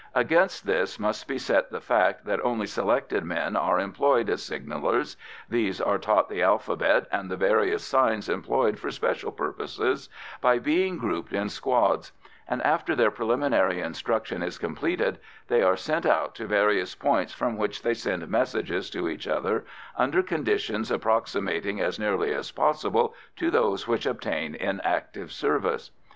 Against this must be set the fact that only selected men are employed as signallers; these are taught the alphabet, and the various signs employed for special purposes, by being grouped in squads, and, after their preliminary instruction is completed, they are sent out to various points from which they send messages to each other, under conditions approximating as nearly as possible to those which obtain on active service.